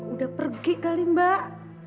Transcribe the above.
udah pergi kali mbak